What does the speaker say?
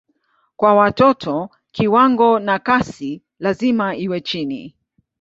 Kwa watoto kiwango na kasi lazima iwe chini.